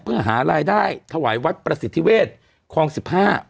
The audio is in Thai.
เพื่อหารายได้ถวายวัดประสิทธิเวศคลองสิบห้า